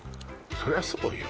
「そりゃそうよ」